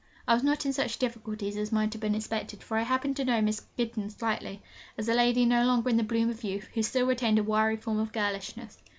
I was not in such difficulties as might have been expected, for I happened to know Miss Gittens slightly, as a lady no longer in the bloom of youth, who still retained a wiry form of girlishness.